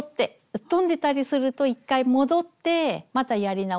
飛んでたりすると１回戻ってまたやり直して下さい。